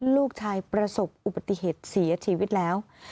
ประสบอุบัติเหตุเสียชีวิตแล้ว